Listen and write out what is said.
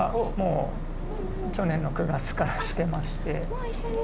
もう一緒に？